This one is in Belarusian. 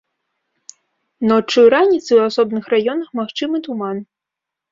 Ноччу і раніцай у асобных раёнах магчымы туман.